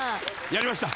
やりました。